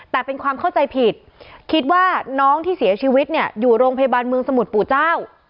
แต่เป็นความเข้าใจผิดคิดว่าน้องที่เสียชีวิตเนี่ยอยู่โรงพยาบาลเมืองสมุทรปู่เจ้า